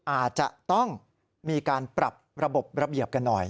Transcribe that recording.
อาจจะต้องมีการปรับระบบระเบียบกันหน่อย